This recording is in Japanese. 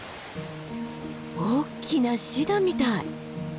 おっきなシダみたい。